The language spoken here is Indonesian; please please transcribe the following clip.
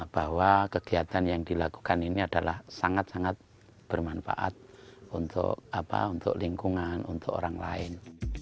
bahwa kegiatan yang dilakukan ini adalah sangat sangat bermanfaat untuk lingkungan untuk orang lain